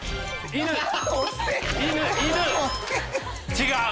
違う。